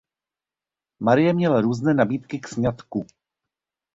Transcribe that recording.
Marie měla různé nabídky k sňatku.